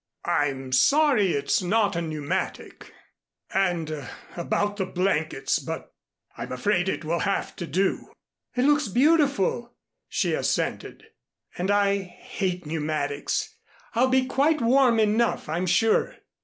"I'm sorry it's not a pneumatic and about the blankets but I'm afraid it will have to do." "It looks beautiful," she assented, "and I hate pneumatics. I'll be quite warm enough, I'm sure."